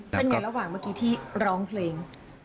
เป็นไงระหว่างเมื่อกี้ที่ร้องเพลง